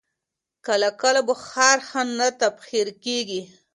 کله کله بخار ښه نه تبخیر کېږي.